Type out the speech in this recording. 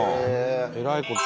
えらいこと。